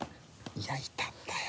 いやいたんだよ。